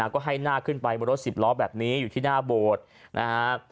ก็ให้หน้าขึ้นไปบนรถ๑๐ร้อนแบบนี้อยู่ที่หน้าโบรพ